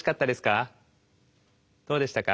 どうでしたか？